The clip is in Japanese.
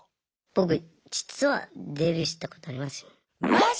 僕実はデビューしたことありますよ。